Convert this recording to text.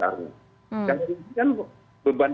dan kemudian beban